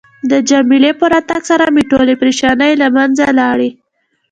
د جميله په راتګ سره مې ټولې پریشانۍ له منځه لاړې.